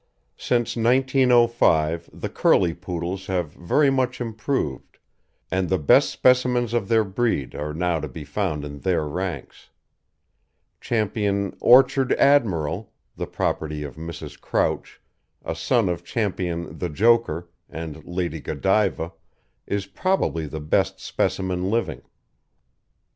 Since 1905 the curly Poodles have very much improved, and the best specimens of the breed are now to be found in their ranks. Ch. Orchard Admiral, the property of Mrs. Crouch, a son of Ch. The Joker and Lady Godiva, is probably the best specimen living.